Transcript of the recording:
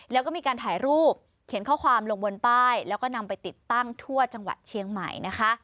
แล้วก็มีการถ่ายรูปเขียนข้อความลงบนป้ายแล้วก็นำไปติดตั้งทั่วจังหวัดเชียงใหม่นะคะ